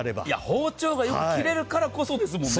包丁がよく切れるからこそですもんね。